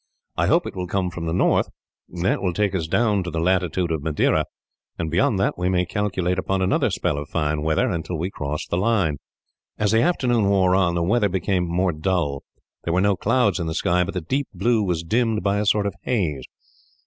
I hope it will come from the north. That will take us down to the latitude of Madeira, and beyond that we may calculate upon another spell of fine weather, until we cross the Line." As the afternoon wore on, the weather became more dull. There were no clouds in the sky, but the deep blue was dimmed by a sort of haze.